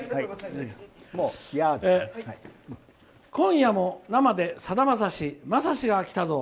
「今夜も生でさだまさしまさしが来たぞ」。